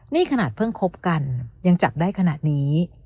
นี่ขนาดเพิ่งคบกันยังจับได้ขนาดนี้